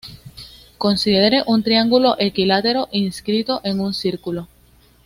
Considere un triángulo equilátero inscrito en un círculo.